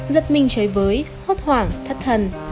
giật mình chơi với hốt hoảng thất thần